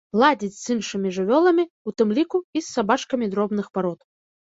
Ладзіць з іншымі жывёламі, у тым ліку і з сабачкамі дробных парод.